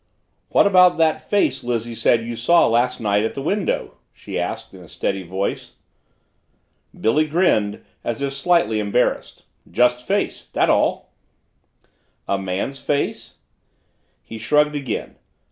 "What about that face Lizzie said you saw last night at the window?" she asked in a steady voice. Billy grinned, as if slightly embarrassed. "Just face that's all." "A man's face?" He shrugged again.